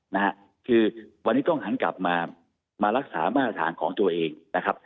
นะฮะคือวันนี้ต้องหันกลับมามารักษามาตรฐานของตัวเองนะครับ